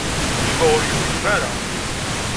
Yuba ur yewhim ara.